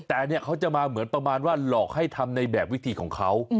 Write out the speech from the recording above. แต่เนี่ยเขาจะมาเหมือนประมาณว่าหลอกให้ทำในแบบวิธีของเขา